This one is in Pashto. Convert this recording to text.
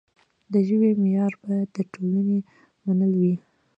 د ژبې معیار باید د ټولنې منل وي.